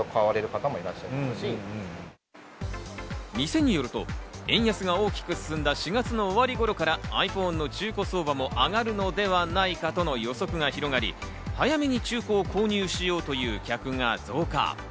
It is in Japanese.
店によると、円安が大きく進んだ４月の終わり頃からｉＰｈｏｎｅの中古相場も上がるのではないかとの予測が広がり、早めに中古を購入しようという客が増加。